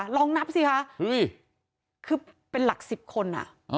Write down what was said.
ลองนับสิค่ะเฮ้ยคือเป็นหลักสิบคนอ่ะอ๋อ